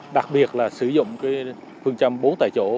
đặc biệt là sử dụng phương châm bốn tại chỗ